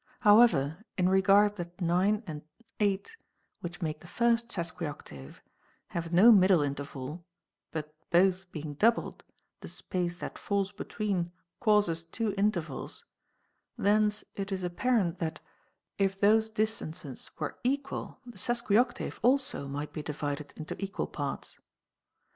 However, in regard that 9 and 8, which make the first sesquioctave, have no middle interval, but both being doubled, the space that falls between causes two intervals, thence it is appar ent that, if those distances were equal, the sesquioctave also might be divided into equal parts.